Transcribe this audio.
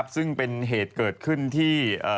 ซึ่งเป็นเหตุเกิดขึ้นที่